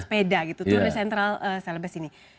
sepeda gitu tur de sentral salabas ini